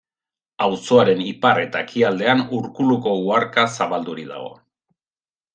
Auzoaren ipar eta ekialdean Urkuluko uharka zabaldurik dago.